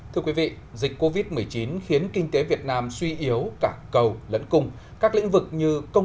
thưa quý vị dịch covid một mươi chín khiến kinh tế việt nam suy yếu cả cầu lẫn cùng các lĩnh vực như công